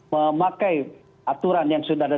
memakai aturan yang sudah ada